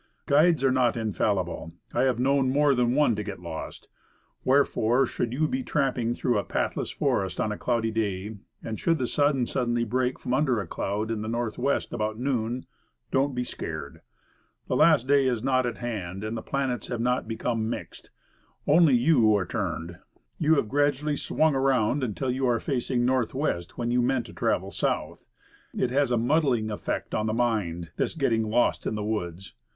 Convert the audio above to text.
Guides are not infallible; I have known more than one to get lost. Wherefore, should you be tramping through a pathless forest on a cloudy day, and should the sun suddenly break from under a cloud in the northwest about noon, don't be scared. The last day is not at hand, and the planets have not become 20 Woodcraft. mixed; only, you are turned. You have grad ually swung around, until you are facing north west when you meant to travel south. It has a mud dling effect on the mind this getting lost in the woods.